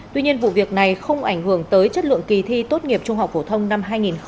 tuy nhiên vụ việc này không ảnh hưởng tới chất lượng kỳ thi tốt nghiệp trung học phổ thông năm hai nghìn hai mươi